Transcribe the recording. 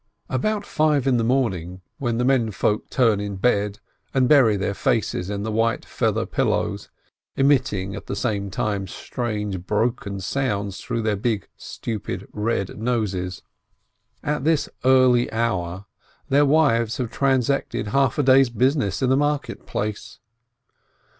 About five in the morning, when the men folk turn in bed, and bury their faces in the white feather pil lows, emitting at the same time strange, broken sounds through their big, stupid, red noses — at this early hour their wives have transacted half a day's business in the market place.